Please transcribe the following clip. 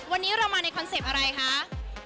วันนี้เรามาในคอนเซ็ปต์อะไรคะ